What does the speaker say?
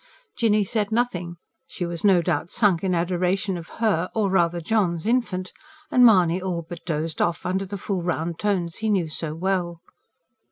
Jinny said nothing: she was no doubt sunk in adoration of her or rather John's infant; and Mahony all but dozed off, under the full, round tones he knew so well.